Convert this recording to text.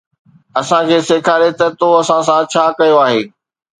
اسان کي سيکاري ته تو اسان سان ڇا ڪيو آهي